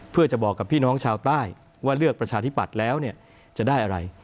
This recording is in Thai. เพื่อจะบอกกับพี่น้องชาวใต้ว่าเลือกประชาธิปัตย์แล้วจะได้อะไร